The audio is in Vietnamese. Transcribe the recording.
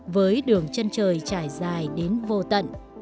với đường chân trời trải dài đến vô tận